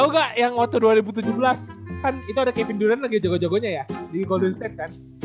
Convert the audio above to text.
kan itu ada kevin durant lagi jago jagonya ya di golden state kan